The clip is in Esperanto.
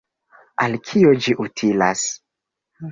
“Al kio ĝi utilas?